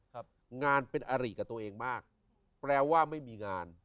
ครับงานเป็นอาริกับตัวเองมากแปลว่าไม่มีงาน